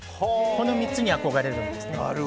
この３つに憧れるんですね。